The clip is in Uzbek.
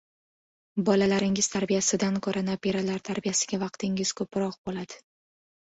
• Bolalaringiz tarbiyasidan ko‘ra nabiralar tarbiyasiga vaqtingiz ko‘proq bo‘ladi.